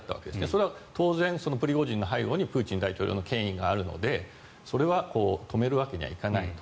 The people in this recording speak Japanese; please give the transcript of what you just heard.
それは当然、プリゴジンの背後にプーチン大統領の権威があるのでそれは止めるわけにはいかないと。